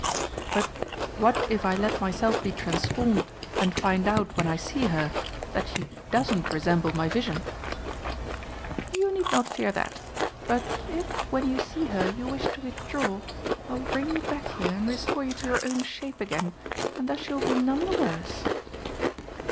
"But what if I let myself be transformed and find out when I see her that she doesn't resemble my vision?" "You need not fear that. But if, when you see her, you wish to withdraw, I will bring you back here and restore you to your own shape again, and thus you will be none the worse."